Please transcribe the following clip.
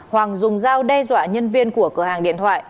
hoàng dùng dao đe dọa nhân viên của cửa hàng điện thoại